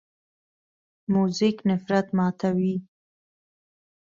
موزیک نفرت ماتوي.